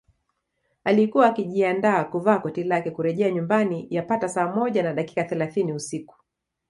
Alikuwa akijiandaa kuvaa koti lake kurejea nyumbani yapata saa moja na dakika thelathini usiku